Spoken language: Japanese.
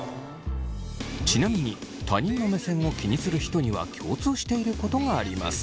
ちなみに他人の目線を気にする人には共通していることがあります。